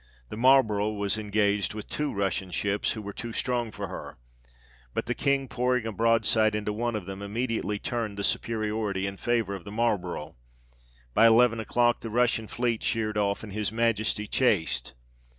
The Marlborough was engaged with two Russian ships, who were too strong for her, but the King pouring a broad side into one of them, immediately turned the supe riority in favour of the Marlborough : by eleven o'clock the Russian fleet sheered off, and his Majesty chaced.